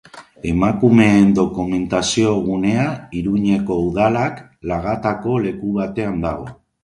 Emakumeen Dokumentazio Gunea Iruñeko Udalak lagatako leku batean dago.